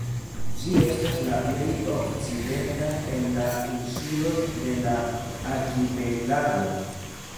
Ĝi estas la plej okcidenta el la insuloj de la arkipelago.